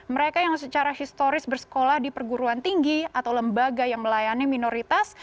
mereka yang secara historis bersekolah di perguruan tinggi atau lembaga yang melayani minoritas